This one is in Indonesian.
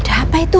udah apa itu